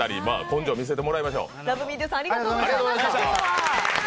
根性見せてもらいましょう。